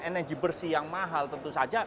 energi bersih yang mahal tentu saja